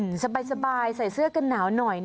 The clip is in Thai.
เกินเตรียมติว้าตไม่ซื้อกันหนาวหน่อย